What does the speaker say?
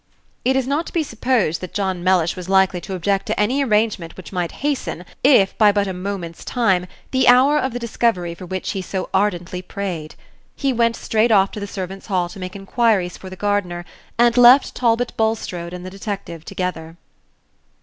It is not to be supposed that John Mellish was likely to object to any arrangement which might hasten, if by but a moment's time, the hour of the discovery for which he so ardently prayed. He went straight off to the servants' hall to make inquiries for the gardener, and left Talbot Bulstrode and the detective together.